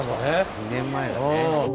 ２年前だね。